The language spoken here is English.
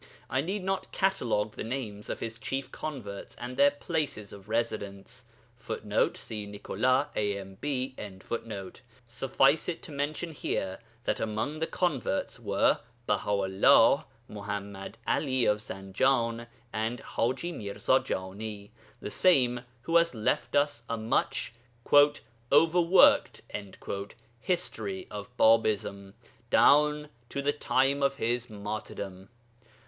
I need not catalogue the names of his chief converts and their places of residence. [Footnote: See Nicolas, AMB.] Suffice it to mention here that among the converts were Baha 'ullah, Muḥammad 'Ali of Zanjan, and Haji Mirza Jani, the same who has left us a much 'overworked' history of Bābism (down to the time of his martyrdom).